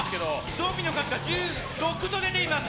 ゾンビの数は１６と出ています。